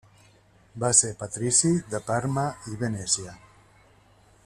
Va ser Patrici de Parma i Venècia.